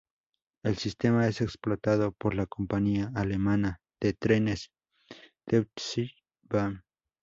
El sistema es explotado por la compañía alemana de trenes Deutsche Bahn.